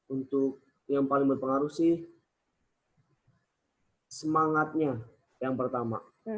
untuk yang paling berpengaruh sih semangatnya yang pertama